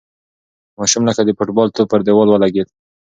ماشوم لکه د فوټبال توپ پر دېوال ولگېد.